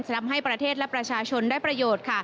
ทำให้ประเทศและประชาชนได้ประโยชน์